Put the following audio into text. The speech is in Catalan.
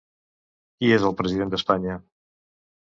Qui és el president d'Espanya?